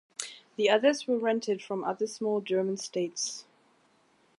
The others were rented from other small German states.